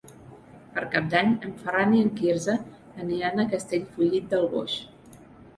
Per Cap d'Any en Ferran i en Quirze aniran a Castellfollit del Boix.